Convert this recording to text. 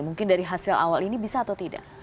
mungkin dari hasil awal ini bisa atau tidak